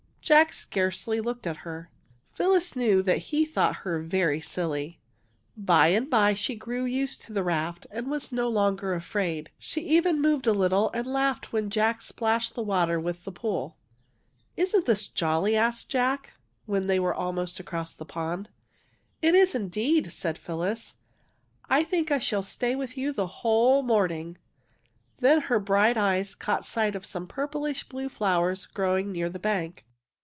Jack scarcely looked at her. Phyllis knew that he thought her very silly. By and bye she grew used to the raft, and was no longer afraid. She even moved a little and laughed when Jack splashed in the water with the pole. Sonie purplish blue flowers growing near the bank" WITH WET FEET 141 '' Isn't this joUy? " asked Jack, when they were almost across the pond. " It is, indeed,'' said Phyllis. " 1 think I shall stay with you the whole morning." Then her bright eyes caught sight of some purplish blue flowers growing near the bank.